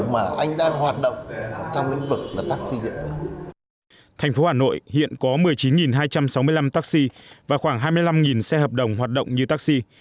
thành phố hà nội hiện có một mươi chín hai trăm sáu mươi năm taxi và khoảng hai mươi năm xe hợp đồng hoạt động như taxi